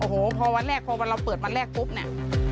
โอ้โหพอวันแรกพอเราเปิดวันแรกปุ๊บเนี่ย